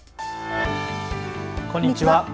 こんにちは。